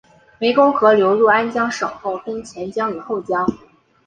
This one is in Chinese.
湄公河流入安江省后分前江与后江。